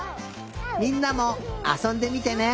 みんなもあそんでみてね！